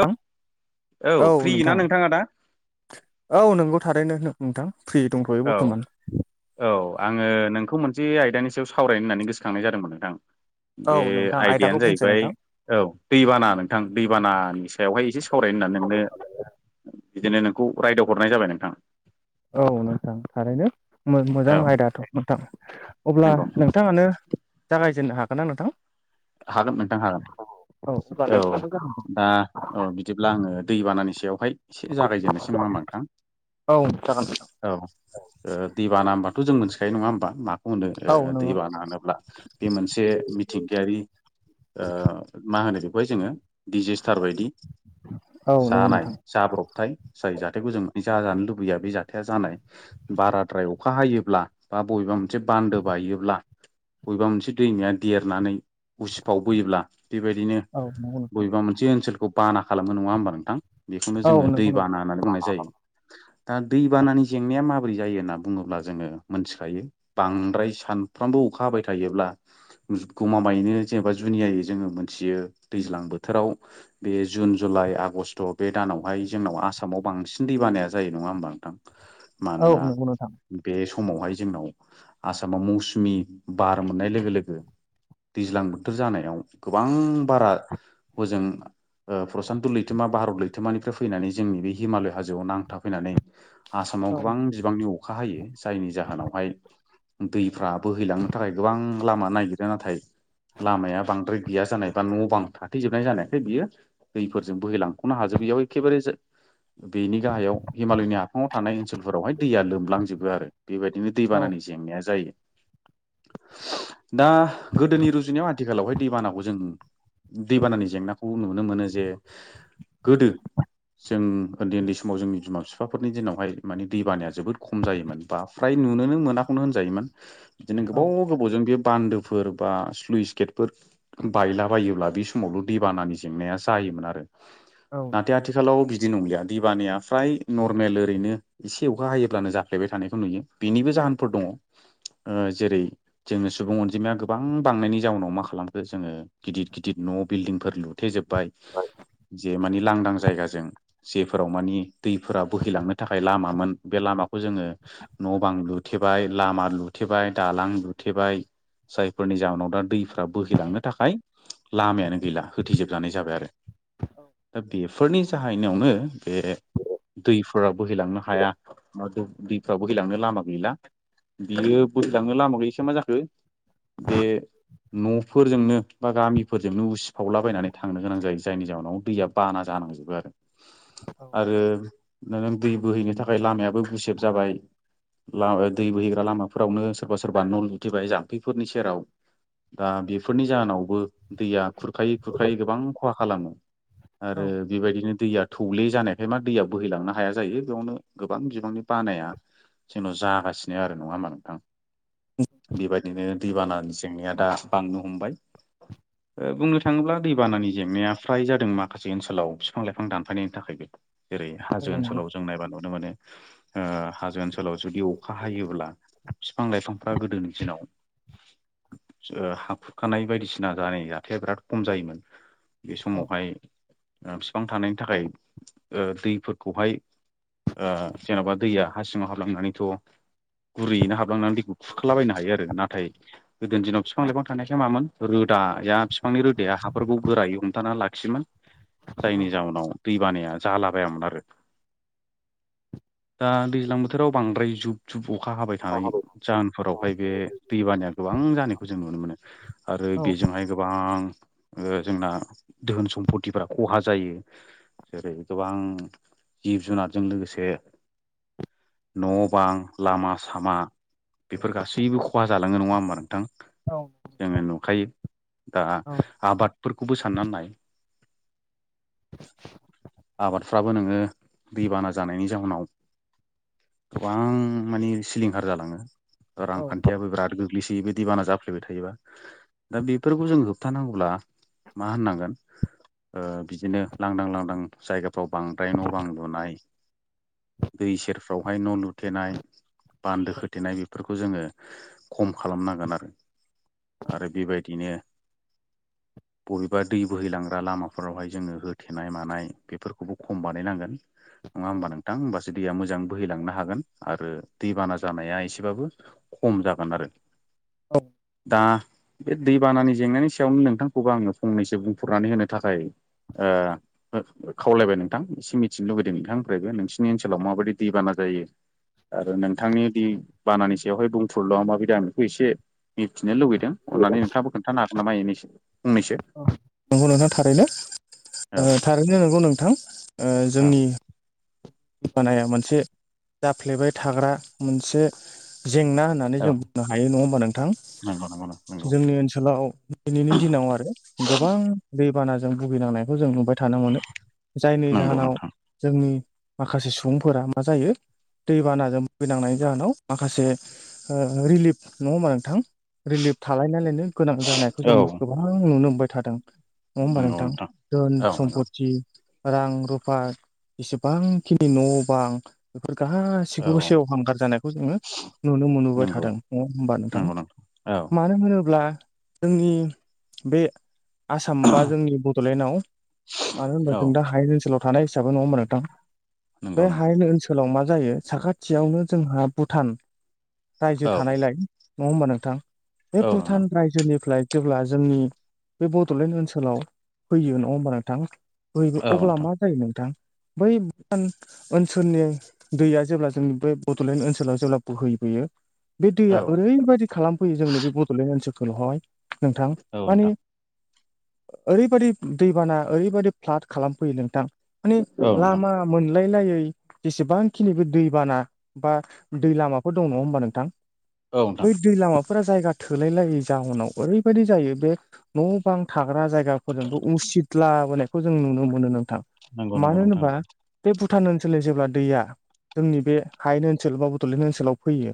औ औ फ्रि ना नोंथाङा दा औ नंगौ थारैनो ओं नोंथां फ्रि दंथ'यो औ बर्थ'मान औ आङो नोंखौ मोन जे आयदानि सायाव सावरायनो होननानै गोसोखांनाय जादोंमोन नोंथां औ बे नोंथां आयदाखौ आयदायानो बुंसै जाहैबाय नोंथां औ दैबाना नोंथां दैबानानि सायावहाय एसे सावरायनो होनना नोंनो बिदिनो नोंखौ रायदाव हरनाय जाबाय नोंथां औ नोंथां थारैनो मोजां औ आयदाथ' नोंथां अब्ला नंगौ नंगौ नोंथाङानो जागायजेननो हागोन ना नोंथां हागोन नोंथां हागोन अब्ला औ नोंथाङाबो दा औ बिदिब्ला आङो दै बानानिसो एसे जागायजेननोसै नङा होमबा नोंथां जागायदो औ जागोन नोंथां। औ दैबाना होमबाथ' जों मोन खायो नङा होमबा माखौ होनो औ दै नंगौ बानानोब्ला बे मोनसे मिथिंगायारि मा होनो बेखौहाय जोङो दिडजिस्टार बायदि औ नंगौ जानाय नोंथां जाब्रब जाथाय जाय जाथायखौ जों माने जाजानो लुबैया बे जाथाया जानाय बाराद्राय अखा हायोब्ला बा बबेबा मोनसे बान्दो बायोब्ला बबेबा मोनसे दैमाया देरनानै उसिफाव बोयोब्ला बेबायदिनो औ नंगौ नोंथां बबेबा मोनसे ओनसोलखौ बाना खालामो नङा होमबा नोंथां बेखौनो औ जोङो दै नंगौ नोंथां बाना होननानै बुंनाय जायो दा दैबानानि जेंनाया माबोरै जायो होनना बुङोब्ला जोङो मोनथिखायो बांद्राय सानफ्रोमबो अखा हाबाय थायोब्ला गमामायैनो जेनेबा जुनियायै जोङो मोनथियो दैज्लां बोथोराव बे जुन जुलाइ आगष्ट' बे दान जोंनावहाय जोंनाव आसामाव बांसिन दै बानाया जायो नङा होमबा नोंथां औ मानोना नंगौ नोंथां बे सम समावहाय जोंनाव आसामाव मौसुमि बार मोननाय लोगो लोगो दैज्लांबो बोथोर जानायाव गोबां बारा हजों प्रसान्त लैथोमा भारत लैथोमानिफ्राय फैनानै जोंनि बे हिमालय हाजोआव नांथाफैनानै आसामाव औ गोबां बिबांनि अखा हायो जायनि जाहोनावहाय दैफ्रा बोहैलांनो थाखाय गोबां लामा नागिरो नाथाय लामाया बांद्राय गैया जानाय बा न' बां थाथेजोबनाय जानायखाय बियो दैफोरजों बोहैलांख'नो हाजोबै बेयाव एखेबारे बेनि गाहायाव हिमालयनि हाफाङाव थानाय ओनसोलफोरावहाय दैया लोमलांजोबो आरो बेबायदिनो औ दैबानानि जेंनाया जायो दा गोदोनि रुजु नायाव आथिखालावहाय दैबानाखौ जों दैबानानि जेंनाखौ नुनो मोनो जे गोदो जों उन्दै उन्दै समाव जोंनि बिमा बिफाफोरनि दिनावहाय माने दै बानाया जोबोद खम जायोमोन बा फ्राय नुनोनो मोनाखौनो होनजायोमोन बिदिनो औ गोबाव गोबावजों बे बान्दोफोर बा फ्लुइस गेटफोर बायलाबायोब्ला बे समावल' दैबानानि जेंनाया जायोमोन आरो औ नाथाय आथिखालाव बिदि नंलिया दैबानाया फ्राय नर्मेल ओरैनो एसे अखा हायोब्लानो जाफ्लेबाय थानायखौ नुयो बेनिबो जाहोनफोर दङ। जेरै जोंनि सुबुं अनजिमाया गोबां बांनायनि जाउनाव मा खालामखो जोङो गिदिर गिदिर न' बिल्डिंफोर लुथेजोबबाय जे मानि लांदां जायगाजों जेफोराव मानि दैफोरा बोहैलांनो थाखाय लामामोन बे लामा लामाखौ जोङो न' बां लुथेबाय लामा लुथेबाय दालां लुथेबाय जायफोरनि जाहोनाव दा दैफ्रा बोहैलांनो थाखाय लामायानो गैला होथजोबजानाय जाबाय आरो औ दा बेफोरनि जाहैनायावनो बे दैफोरा बोहैलांनो हाया दैफोर बोहैलांनो लामा गैला। बियो बोसदांनो लामाखौ मा जाखो बे? न'फोरजोंनो बा गामिफोरजोंनो उसिफावलाबायनानै थांनो गोनां जायो जायनि जाउनाव दैया बाना जानो बो आरो औ आरो नों दै बोहैनो थाखाय लामायाबो गुसेब जाबाय। दै बोहैग्रा लामाफोरावनो सोरबा सोरबा न लुथेबाय जामफैफोरनि जेराव दा बेफोरनि जाहोनावबो दैया खुरखायै खुरखायै गोबां खहा खालामो। आरो औ बेबायदिनो दैया थौले जानायखाय मा दैयाव बोहैलांनो हाया जायो बेयावनो गोबां बिबांनि बानाया जोंनाव जागासिनो आरो नङा होमबा नोंथां? बेबायदिनो दैबानानि जेंनाया दा बांनो हमबाय। बुंनो थाङोब्ला दैबानानि जेंनाया फ्राय जादों माखासे ओनसोलाव बिफां लाइफां दानफायनायनि थाखायबो जेरै हाजो नंगौ ओनसोलाव जों नायबा नुनो मोनो हाजो ओन ओनसोलाव जुदि अखा हायोब्ला बिफां लाइफांफ्रा गोदोनि दिनाव हाखुरखानाय बायदिसिना जानाय जाथाया बिराद खम जायोमोन। बे औ समावहाय बिफां थानायनि थाखाय दैफोरखौहाय ओ जेन'बा दैया हा सिङाव हाबलांनानैथ' गुरैयैनो हाबलांनानै खुरखालाबायनो हायो आरो। नाथाय गोदोनि दिनाव बिफां लाइफां थानायखाय मामोन रोदाया बिफांनि रोदाया हाफोरखौ गोरायै हमथानानानै लाखि योमोन औ जायनि जाउनाव दै बानाया जालाबायामोन आरो। दा दैज्लां बोथोराव बांद्राय जुब जुब अखा हाबाय थानाय जाहोनफोरावहाय बे दैबानाया गोबां जानायखौ जों नुनो मोनो आरो औ बेजोंहाय गोबां बां जोंना दोहोन सम्पतिफोरा खहा जायो। जेरै गोबां जिब जुनारजों लोगोसे न' बां लामा सामा बेफोर गासैबो खहा जालाङो नङा होमबा? नोंथां जोङो नुखायो। दा औ आबादफोरखौबो साननानै नाय। आबादफ्राबो नोङो दैबाना जानायनि जाहोनाव गोबां मानि सिलिंखार जालाङो औ रांखान्थियाबो बिराद गो ग्लैसोयो बे दैबाना जाफ्लेबाय थायोबा दा बेफोरखौ जों होबथानांगौब्ला मा होननांगोन? ओ बिदिनो लांदां लांदां जायगाफ्राव बांद्राय न' बां लुनाय दै सेरफ्रावहाय न' लुथेनाय बान्दो होथेनाय बेफोरखौ जोङो खम खालामनांगोन आरो आरो बेबायदिनो बबेबा दै बोहैलांग्रा लामाफोरावहाय जोङो होथेनाय मानाय बेफोरखौबो खम बानायनांगोन। नङा होमबा नोंथां होमबासो दैया मोजां। बोहैलांनो हागोन आरो दैबाना जानाया एसेबाबो खम जागोन आरो। दा बे दै बानानि जेंनानि सायावनो नोंथांखौबो आङो फंनैसो बुंफुरनानै होनो थाखाय ओ खावलायबाय नोंथां एसे मिथिनो लुबैदों नोंथांनिफ्रायबो नोंसिनि ओनसोलाव माबायदि दैबाना जायो। जायो आरो नोंथांनि दै बानानि सायावहाय बुंफुरलुवा माबायदि खौ आं एसे मिथिनो लुुबैदों अननानै नोंथाङाबो खोन्थानो हागोन नामा एनै फंनैसो नंगौ नोंथां थारैनो औ थारैनो नंगौ नोंथां ओ औ जोंनि बानाया मोनसे जाफ्लेबाय थाग्रा मोनसे जेंना होननानै औ जों बुंनो हायो नङा होमबा नोंथां? नंगौ नंगौ नंगौ जोंनि ओनसोलाव दिनैनि दिनाव आरो गोबां बे दै बानाजों भुगिनांनायखौ जों नुबाय थानो मोनो जायनि नंगौ जाहोनाव नोंथां जोंनि माखासे सुबुंफोरा मा जायो। दैबानाजों भुगिनांनायनि जाहोनाव माखासे ओ रिलिफ नङा होमबा नोंथां रिलिफ थालायनानैलायनो गोनां जानायखौ जों औ गोबां नुनो मोनबाय थादों नङा होमबा नोंथां धोन औ नंगौ सम्पति रां रुफा जसेबांखिनि न' बां बे फोर औ गासैखौबो सेव हांगार जानायखौ जोङो नुनो मोनबोबाय नंगौ थादों नङा होमबा नोंथां नंगौ औ मानो होनोब्ला जोंनि बे आसाम बा जोंनि बड'लेण्डआव मानो होनबा जों दा औ हायेन ओनसोलाव थानाय हिसाबै नङा होनबा नोंथां नंगौ बे नोंथां हायेननि ओनसोलाव मा जायो साखाथियावनो जोंहा भुटान रायजो औ थानायलाय नङा होमबा नोंथां बे औ नोंथां भुटान रायजोनिफ्राय जेब्ला जोंनि बे बड'लेण्ड ओनसोलाव फैयो नङा होमबा नोंथां बैयबो औ अब्ला नोंथां मा जायो नोंथां बै भुटान ओनसोलनि दैया जेब्ला जोंनि बे बड'लेण्ड ओनसोलाव जेब्ला बोहैबोयो बे औ दैया ओरैबायदि खालामफैयो जोंनि बे बड'लेण्ड ओनसोलफोलावहाय नोंथां औ नोंथां माने ओरैबायदि दैबाना ओरैबादि फ्लाद खालामफैयो नोंथां माने औ नोंथां लामा थोलाय लायै जेसेबांखिनिबो दैबाना बा दै लामाफोर दं नङा होमबा नोंथां औ नोंथां बै दै लामाफोरा जायगा थोलाय लायै जाउनाव ओरैबायदि जायो बे न' बां था जाग्रा जायगाफोरजोंबो उसिद्लाबोनायखौ जों नुनो मोनो नों नंगौ नंगौ नोंथां नोंगौ बे भुटान ओनसोलनि जेब्ला दैया जोंनि बे हायेन ओनसोल बा बड'लेण्ड ओनसोलाव फैयो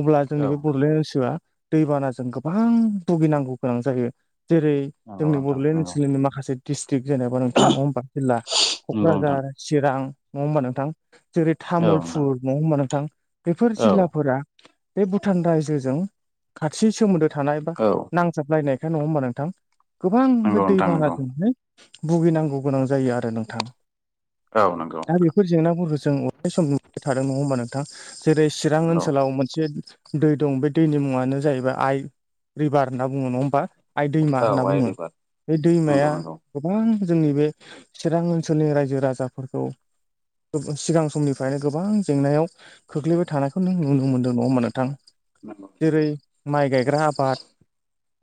अब्ला जोंनि औ बे बड'लेण्ड ओनसोला दैबानाजों गोबां भुगिनांगौ गोनां जायो। जेरै नंगौ जोंनि नोंथां बड'लेण्ड नंगौ ओनसोलनिनो माखासे थिग जेनेबा नोंथां अबबा जिल्ला नंगौ नोंथां क'क्राझार चिरां नङा होमबा नोंथां जेरै औ नोंथां तामुलपुर नङा होमबा नोंथां बेफोर औ जिल्लाफोरा बे भुटान रायजोजों खाथि सोमोन्दो थानाय बा औ नांजाबलायनाय खाय नङा होमबा नोंथां गोबां बे नंगौ नोंथां नंगौ दैबानाजोंनो भुगिनांगौ गोनां जायो आरो नोंथां। औ नंगौ दा बेफोर जेंनाफोरखौ जों अराय सम नुबोबाय थादों नङा होमबा नोंथां जेरै चिरां नंगौ ओनसोलाव मोनसे दै दं बे दैनि मुङानो जाहैबाय आइ रिभार होनना बुङो नङा होमबा आइ दैमा औ होनना आइ बुङो रिभार बे नंगौ दैमाया नंगौ गोबां जोंनि बे चिरां ओनसोलनि रायजो राजाफोरखौ सिगां समनिफ्रायनो गोबां जेंनायाव खोख्लैबाय थानायखौनो नुनो मोनदों नङा होनबा नोंथां नंगौ जेरै माइ गायग्रा आबाद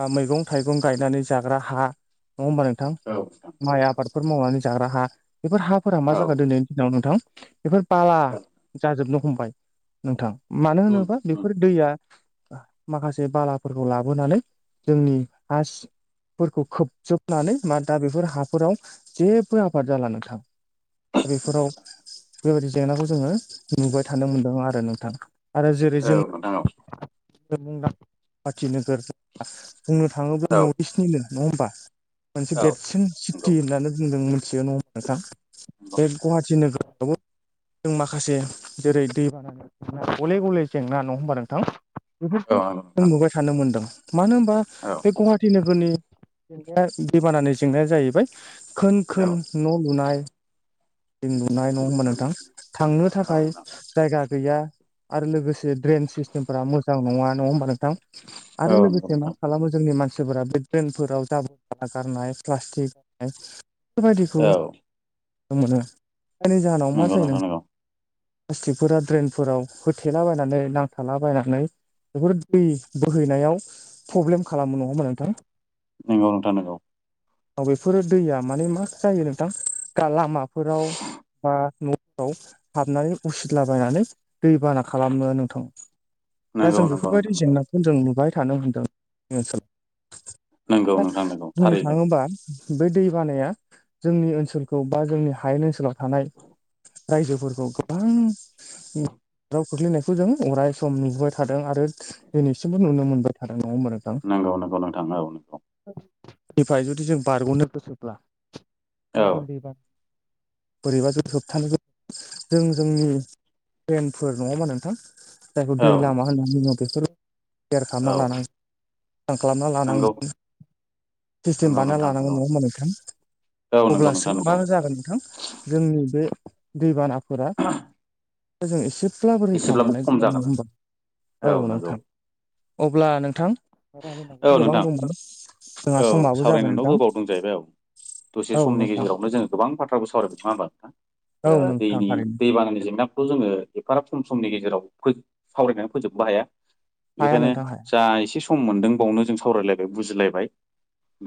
बा मैगं थाइगं गायनानै जाग्रा हा नङा होमबा नोंथां औ नोंथां माइ आबादफोर मावनानै जाग्रा हा बेफोर हाफोरा मा औ जागोन दिनैनि दिनाव नोंथां बेफोर बाला जाजोबनो हमबाय नोंथां मानो उम होनोबा उम बेफोर दैया माखासे बालाफोरखौ लाबोनानै जोंनि हा सिंफोरखौ खोब जोबनानै मा दा बेफोर हाफोराव जेबो आबाद जाला नोंथां दा बेफोराव बेबायदि जेंनाखौ जोङो नुबाय थानो मोनदों आरो नोंथां। आरो जेरै औ जों नोंथां [inaudible] मुंदांखाथिनो [inaudible] बुंनो थाङोब्ला औ नर्थ औ इस्टनिनो नङा होमबा मोनसे औ देरसिन नंगौ सिटि होननानै बुंदों मिथियो नङा होनबा नोंथां नंगौ बे गहाथि नोगोरावबो जों माखासे जेरै दै बाना [inaudible] गले गले जेंना नङा होमबा नोंथां बेफोरखौ औ नंगौ जों नोंथां नुबाय थानो मोनदों। मानो होनबा औ बे गुवाहाटि नोगोरनि जेंनाया दैबानानि जेंनाया जाहैबाय खोन औ खोन न' लुनाय जों नुनाय नङा होनबा नोंथां थांनो थाखाय जायगा गैया आरो लोगोसे द्रेन सिस्टेम फोरा मोजां नङा नङा होनबा नों थां आरो औ नोंथां औ नंगौ लोगोसे मा नोंथां खालामो जोंनि मानसि सिफोरा बे ड्रेनफोराव जाबोर जाला गारनाय प्लास्टिक गारनाय बेफोर बायदिखौ औ जों मोनो जायनि जाहोनाव मा नंगौ जायो नों प्लास्टिकफोरा ड्रेनफोराव होथेलाबायनानै नांथालाबायनानै बेफोर दै बोहैनायाव प्रब्लेम खालामो नङा होनबा नोंथां? नोंगौ नोंथां नोंगौ। औ बेफोर दैया माने मा जायो नोंथां दा-लामाफोराव बा न' व हाबनानै उसिदलाबायनानै दैबाना खालामो‌ नोंथां। दा नंगौ जों नोंथां नंगौ बेफोरबायदि नोंथां नंगौ जेंनाखौ जों नुबाय थानो मोनदों जों ओनसोलाव नंगौ नोंथां नंगौ बुंनो थारैनो थाङोबा बे दै बानाया जोंनि ओनसोलखौ बा जोंनि हायेन ओनसोलाव थानाय रायजोफोरखौ गोबां [unintelligible] खोख्लैनायखौ जों अराय सम नुुबाय थादों आरो दिनैसिमबो नुनो मोनबाय थादों। नङा होमबा नोंथां? नंगौ नंगौ नोंथां औ नंगौ निफ्राय जुदि जों बारग'नो गोसोब्ला दा औ जों दैबाना बोरैबा जों होबथानो जों जोंनि द्रेनफोर नङा होमबा नोंथां? जायखौ दै लामा औ होनना बुङो बेफोर केयार खालामना औ लानांगो [unintelligible] मोजां खालामना नंगौ लानांगोन। सिस्टेम नंगौ बानायना नोंथां लानांगौ नंगौ नङा होमबा नोंथां? औ नंगौ अब्लासो नोंथां मा नंगौ जागोन नोंथां जोंनि बे दैबानाफोरा जों एसे एसेब्लाबो खम जागोन [unintelligible] औ आरो नंगौ नोंथां अब्ला नोंथां औ [unintelligible] गोबां नोंथां दंमोन जोंहा औ समाबो जाबाय सावरायनोथ' नोंथां। गोबाव दं जाहैबाय औ दसे औ समनि नोंथां गेजेरावनो जोङो गोबां बाथ्राबो सावरायबाय नङा होमबा नोंथां? औ ओ नोंथां दैनि थारैनो दै बानानि जेंना खौ जोङो एफाराब खम समनि गेजेराव सावरायनानै फोजोबनो हाया। हाया बेखायनो नोंथां जा एसे सम मोनदों बावनो जों सावरायलायबाय बुजिलायबाय।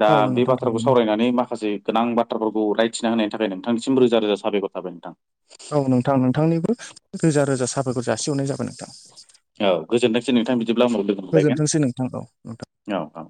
दा औ बे नोंथां बाथ्राखौ थारैनो सावरायनानै माखासे गोनां बाथ्राफोरखौ राय थिना होनायनि थाखाय नोंथांनिसिम रोजा रोजा साबायखर थाबाय नोंथां। औ नोंथां नोंथांनिबो रोजा रोजा साबायखर जासिहरनाय जागोन। औ गोजोनथोंसै नोंथां‌ बि दिब्ला उनाव लोगो मोनलायगोन गोजोनथोंसै नोंथां औ नोंथां औ औ।